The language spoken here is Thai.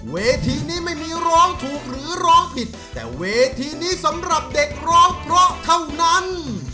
เวทีนี้ไม่มีร้องถูกหรือร้องผิดแต่เวทีนี้สำหรับเด็กร้องเพราะเท่านั้น